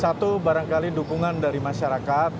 satu barangkali dukungan dari masyarakat